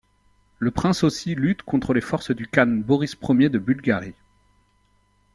Le prince aussi lutte contre les forces du khan Boris Ier de Bulgarie.